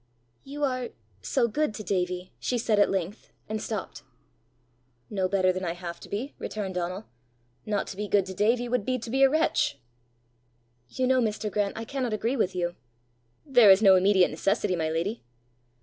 "You are so good to Davie!" she said at length, and stopped. "No better than I have to be," returned Donal. "Not to be good to Davie would be to be a wretch." "You know, Mr. Grant, I cannot agree with you!" "There is no immediate necessity, my lady."